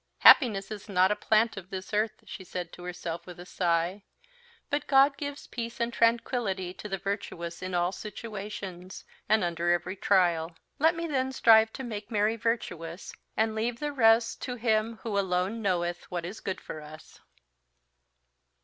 "Happiness is not a plant of this earth," said she to herself with a sigh; "but God gives peace and tranquillity to the virtuous in all situations, and under every trial. Let me then strive to make Mary virtuous, and leave the rest to Him who alone knoweth what is good for us!"